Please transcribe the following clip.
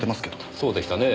そうでしたねえ。